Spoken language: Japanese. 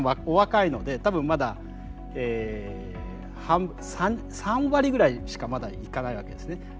お若いので多分まだえ３割ぐらいしかまだいかないわけですね。